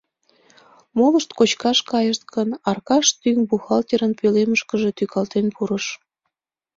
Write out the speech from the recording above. Молышт кочкаш кайышт гын, Аркаш тӱҥ бухгалтерын пӧлемышкыже тӱкалтен пурыш.